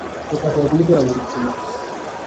তোর পাছায় গুলি করা উচিত ছিল!